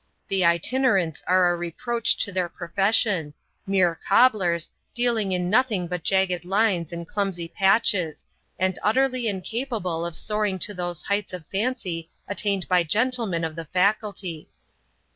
The itinerants are a reproach to their profession, mere cobblers, dealing in nothing but jagged lines and clumsy patches, and utterly incapable of soaring to those heights of fancy attained by gentlemen of the faculty.